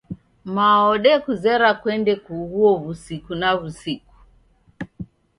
Mao odekuzera kwende kughuo wusiku na wusiku